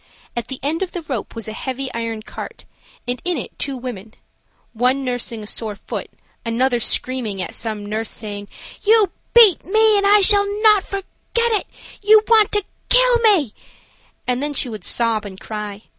At the end of the rope was a heavy iron cart, and in it two women–one nursing a sore foot, another screaming at some nurse, saying: "You beat me and I shall not forget it. You want to kill me," and then she would sob and cry.